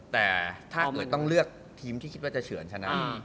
แต่ถ้าเกิดต้องเลือกทีมที่คิดว่าจะเฉือนชนะ